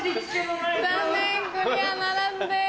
残念クリアならずです。